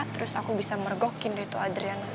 terus aku bisa mergokin deh tuh adriana